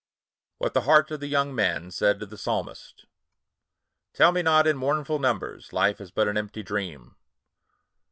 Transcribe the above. ■WHAT THE HEART OF THE YOUNG MAN SAID TO THE PSALMIST. Tell me not, in mournful numbers, Life is but an empty dream